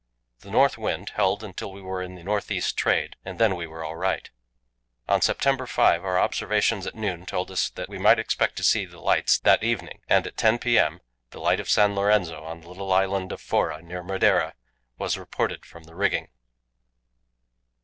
The north wind held until we were in the north east trade, and then we were all right. On September 5 our observations at noon told us that we might expect to see the lights that evening, and at 10 p.m. the light of San Lorenzo on the little island of Fora, near Madeira, was reported from the rigging.